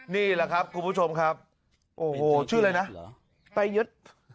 นี่แหละครับคุณผู้ชมครับโอ้โหชื่ออะไรนะไปยึด